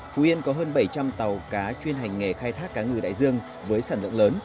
phú yên có hơn bảy trăm linh tàu cá chuyên hành nghề khai thác cá ngừ đại dương với sản lượng lớn